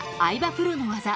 プロの技